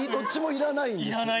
いらないですか？